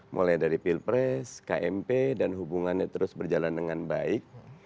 mulai dari pilpres kmp dan hubungannya terus berjalan dengan baik